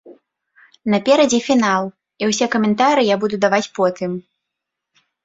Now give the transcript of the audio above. Наперадзе фінал і ўсе каментары я буду даваць потым.